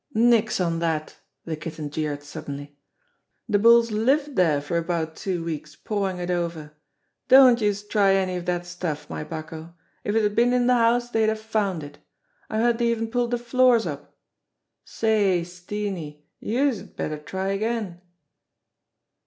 "Nix on dat!" The Kitten jeered suddenly. "De bulls lived dere for about two weeks pawin' it over. Don't youse try any of dat stuff, my bucko! If it'd been in de house dey'd have found it. I heard dey even pulled de floors up. Say, Steenie, youse' d better try again